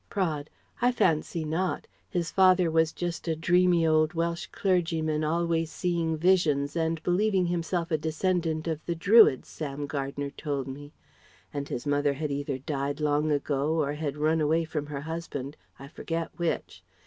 Praed: "I fancy not. His father was just a dreamy old Welsh clergyman always seeing visions and believing himself a descendant of the Druids, Sam Gardner told me; and his mother had either died long ago or had run away from her husband, I forget which.